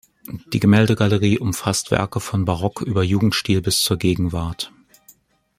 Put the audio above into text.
Die Gemäldegalerie umfasst Werke vom Barock über Jugendstil bis zur Gegenwart.